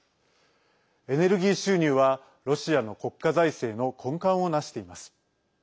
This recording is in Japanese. エネルギー収入はロシアの国家財政の根幹を成しています。